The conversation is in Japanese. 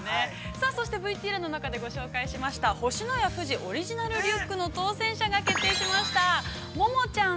さあ、そしてＶＴＲの中でご紹介しました星のや富士オリジナルリュックの当せん者が決定しました。